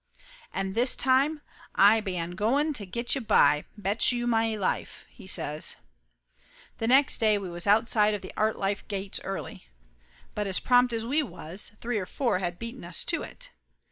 "And this time I ban going ta get you by, betchew may life !" he says. The next morning we was outside of the Artlife gates early. But prompt as we was, three or four had beaten us to it.